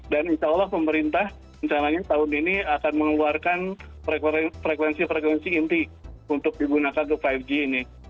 dan insya allah pemerintah menjalankan tahun ini akan mengeluarkan frekuensi frekuensi inti untuk digunakan ke lima g ini